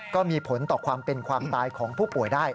ก็มีผลต่อความเป็นความตายของผู้ป่วยได้